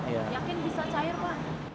yakin bisa cair pak